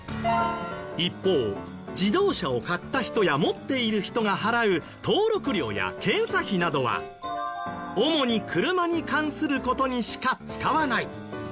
一方自動車を買った人や持っている人が払う登録料や検査費などは主に車に関する事にしか使わない。